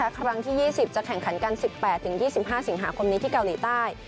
ครั้งที่๒๐จะแข่งขันกัน๑๘๒๕สิงหาคมนี้ที่เกาหลีใต้